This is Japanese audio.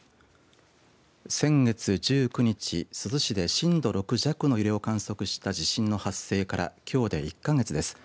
先月１９日、珠洲市で震度６弱の揺れを観測した地震の発生からきょうで１か月です。